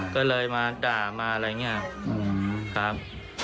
ก็เลยมาด่ามาอะไรอย่างนี้ครับ